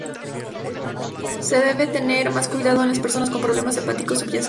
Se debe tener más cuidado en las personas con problemas hepáticos subyacentes.